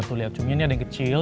tuh lihat cumi ini ada yang kecil